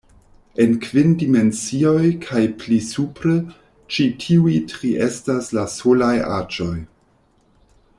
En kvin dimensioj kaj pli supre, ĉi tiuj tri estas la solaj aĵoj.